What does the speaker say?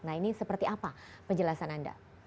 nah ini seperti apa penjelasan anda